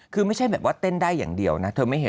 คือไม่ใช่แบบว่าเต้นได้อย่างเดียวนะ